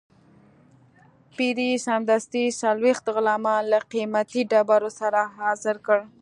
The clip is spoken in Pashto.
پیري سمدستي څلوېښت غلامان له قیمتي ډبرو سره حاضر کړل.